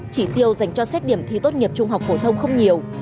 chỉ tiêu dành cho xét điểm thi tốt nghiệp trung học phổ thông không nhiều